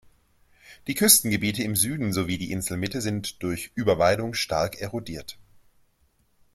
Die Küstengebiete im Süden sowie die Inselmitte sind durch Überweidung stark erodiert.